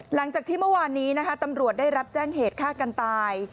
หลังจากที่เมื่อวานนี้นะคะตำรวจได้รับแจ้งเหตุฆ่ากันตาย